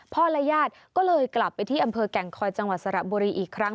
และญาติก็เลยกลับไปที่อำเภอแก่งคอยจังหวัดสระบุรีอีกครั้ง